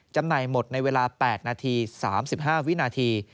จำหน่ายหมดในเวลา๘นาที๓๕วินาที